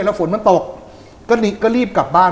แล้วฝนมันตกก็รีบกลับบ้าน